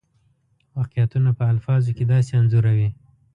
واقعیتونه په الفاظو کې داسې انځوروي.